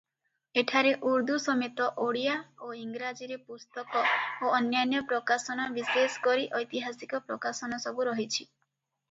ଏଠାରେ ଉର୍ଦ୍ଦୁ ସମେତ ଓଡ଼ିଆ ଓ ଇଂରାଜୀରେ ପୁସ୍ତକ ଓ ଅନ୍ୟାନ୍ୟ ପ୍ରକାଶନ ବିଶେଷ କରି ଐତିହାସିକ ପ୍ରକାଶନସବୁ ରହିଛି ।